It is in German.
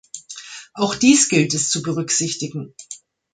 Auch dies gilt es zu berücksichtigen.